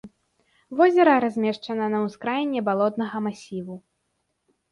Возера размешчана на ўскраіне балотнага масіву.